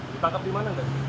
ditangkap di mana